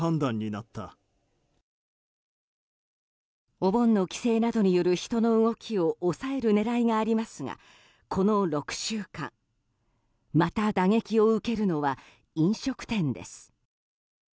お盆の帰省などによる人の動きを抑える狙いがありますがこの６週間また打撃を受けるのは飲食店です。